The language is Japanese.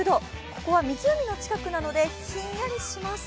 ここは湖の近くなのでひんやりします。